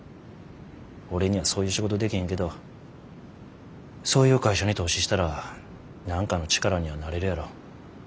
俺にはそういう仕事でけへんけどそういう会社に投資したら何かの力にはなれるやろ。